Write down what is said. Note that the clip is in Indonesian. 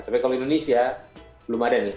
tapi kalau indonesia belum ada nih